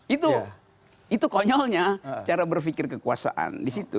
itu konyolnya cara berpikir kekuasaan di situ